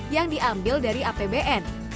yang diambil dari kementerian pemerintah kumuh